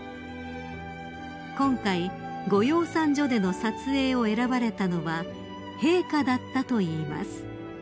［今回ご養蚕所での撮影を選ばれたのは陛下だったといいます］